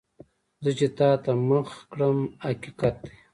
زه چې تا ته مخ کړم، حقیقت دی.